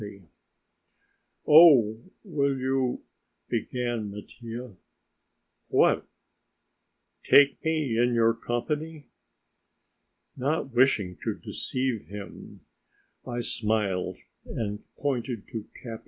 "Oh, will you...." began Mattia. "What?" "Take me in your company?" Not wishing to deceive him, I smiled and pointed to Capi.